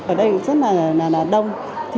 ở đây cũng rất là đông